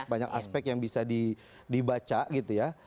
banyak aspek yang bisa dibaca gitu ya